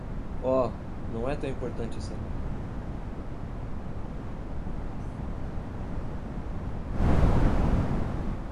Oh,? não é tão importante assim.